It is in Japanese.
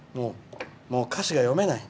もう歌詞が読めない。